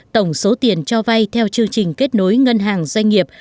tổng số tiền cho vay theo chương trình kết nối ngân hàng doanh nghiệp